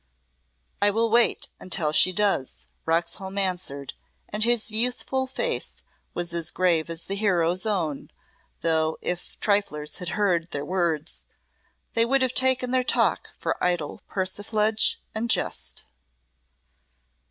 "I will wait until she does," Roxholm answered, and his youthful face was as grave as the hero's own, though if triflers had heard their words, they would have taken their talk for idle persiflage and jest.